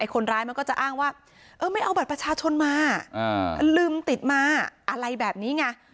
คนร้ายมันก็จะอ้างว่าไม่เอาบัตรประชาชนมาลืมติดมาอะไรแบบนี้ไง